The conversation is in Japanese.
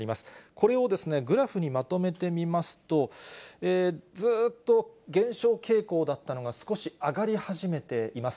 これをグラフにまとめてみますと、ずーっと減少傾向だったのが、少し上がり始めています。